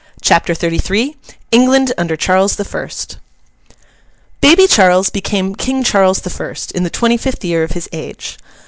CHAPTER XXXIII ENGLAND UNDER CHARLES THE FIRST Baby Charles became King Charles the First, in the twenty fifth year of his age.